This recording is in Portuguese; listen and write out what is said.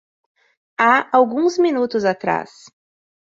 Há alguns minutos atrás